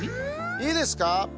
いいですか？